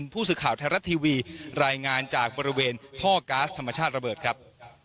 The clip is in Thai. ผู้สื่อข่าวไทยรัฐทีวีรายงานจากบริเวณท่อก๊าซธรรมชาติระเบิดครับ